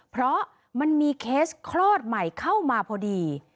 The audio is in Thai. เพราะมันมีเคสคลอดใหม่เข้ามาพอดี